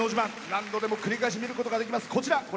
何度でも繰り返し見ることができます。